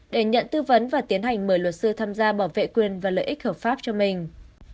để nhận tư vấn và tiến hành mời luật sư tham gia bảo vệ quyền và lợi ích hợp pháp cho mình